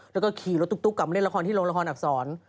แล้วก็ขี่รถตุ๊กกลับมาเล่นละครที่โรงละครอักษร